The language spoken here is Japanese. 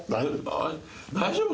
大丈夫か？